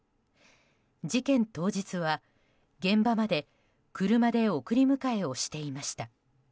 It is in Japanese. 事件当日は現場まで車で送り迎えをしていました。